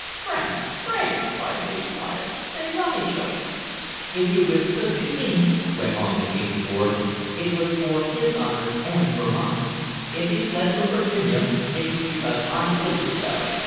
"Frank, Frank!" cried Lady Wyatt. "They love each other!" "If he withstood the King," went on the King's ward, "it was for his honor and for mine. If he fled from Virginia, it was because I willed it so.